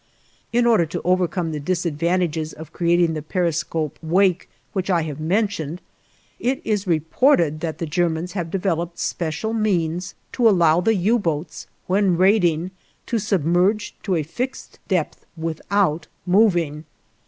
In order to overcome the disadvantages of creating the periscope wake which I have mentioned, it is reported that the Germans have developed special means to allow the U boats, when raiding, to submerge to a fixed depth without moving.